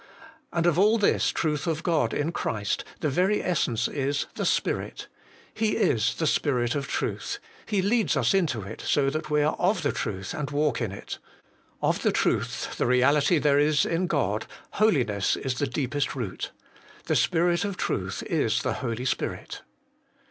And of all this truth of Qod in Christ, the very essence is, the Spirit. He is the Spirit of truth : He leads us into it, so that we are of the truth and walk In It. Of the truth, the reality there is in God, Holiness, is the deepest root ; the Spirit of truth la the Holy Spirit.